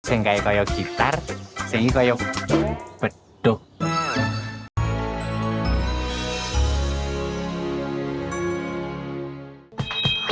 seenggak kayak gitar seenggak kayak pedok